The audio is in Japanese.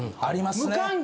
ありますね。